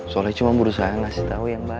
soalnya cuma berusaha ngasih tau yang baik